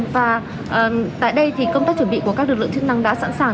và tại đây thì công tác chuẩn bị của các lực lượng chức năng đã sẵn sàng